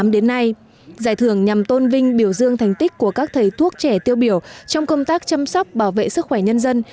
đến nay giải thưởng nhằm tôn vinh biểu dương thành tích của các thầy thuốc trẻ tiêu biểu trong công tác chăm sóc bảo vệ sức khỏe nhân dân